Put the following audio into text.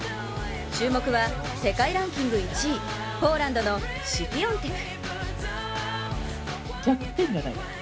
注目は世界ランキング１位ポーランドのシフィオンテク。